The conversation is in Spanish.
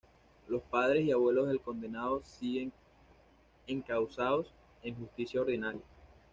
Los padres y abuelos del condenado siguen encausados en justicia ordinaria.